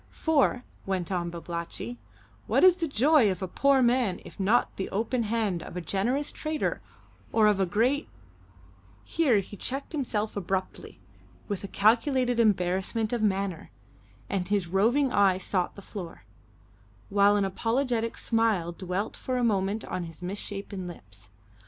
"For" went on Babalatchi "what is the joy of a poor man if not the open hand of a generous trader or of a great " Here he checked himself abruptly with a calculated embarrassment of manner, and his roving eye sought the floor, while an apologetic smile dwelt for a moment on his misshapen lips.